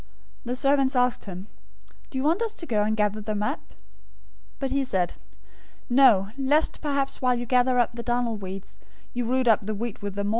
"The servants asked him, 'Do you want us to go and gather them up?' 013:029 "But he said, 'No, lest perhaps while you gather up the darnel weeds, you root up the wheat with them.